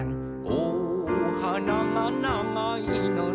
「おはながながいのね」